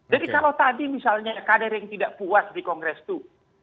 jadi kalau tadi misalnya kader yang tidak puas di kongres itu